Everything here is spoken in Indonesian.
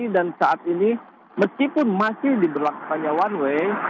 dan saat ini meskipun masih diberlaksanakan one way